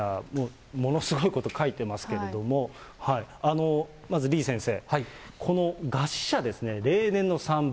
ものすごいこと書いてますけれども、まず李先生、この餓死者ですね、例年の３倍。